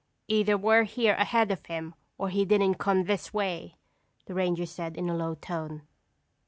"Either we're here ahead of him, or he didn't come this way," the ranger said in a low tone.